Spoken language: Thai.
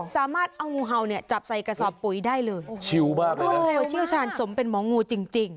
สามารถเอางูเห่าจับใส่กระสอบปุ๋ยได้เลยชิลบ้างเลยนะชิลชาญสมเป็นหมองูจริง